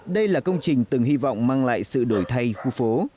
đây là công trình từng hy vọng mang lại sự đổi thay khu phố